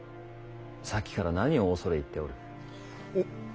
さっきから何を恐れ入っておる？